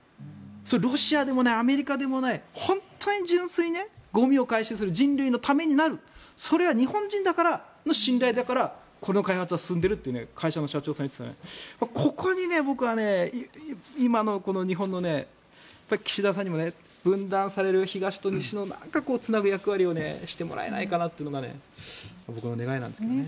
それはロシアでもないアメリカでもない本当に純粋にゴミを回収する人類のためになるそれが日本人だからその信頼だから開発が進んでいるって会社の社長さんが言っててここに僕は今の日本の岸田さんにも分断される東と西の何かつなぐ役割をしてもらえないかっていうのが僕の願いなんですけどね。